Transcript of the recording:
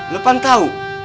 lo kan tau